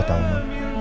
gak tau mam